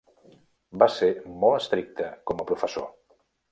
Va ser molt estricte com a professor.